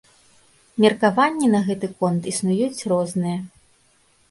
Меркаванні на гэты конт існуюць розныя.